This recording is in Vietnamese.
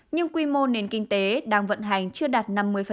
nhưng quy mô nền kinh tế đang vận hành chưa đạt năm mươi